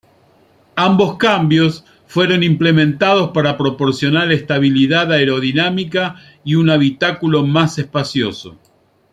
Ambos cambios fueron implementados para proporcionar estabilidad aerodinámica y un habitáculo más espacioso.